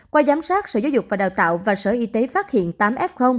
qua giám sát sở giáo dục và đào tạo và sở y tế phát hiện tám f